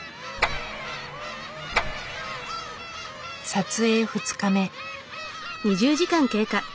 撮影２日目。